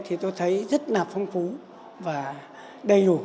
thì tôi thấy rất là phong phú và đầy đủ